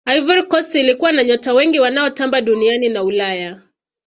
ivory coast ilikuwa na nyota wengi wanaotamba duniani na ulaya